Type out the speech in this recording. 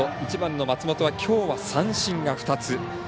松本は、きょうは三振が２つ。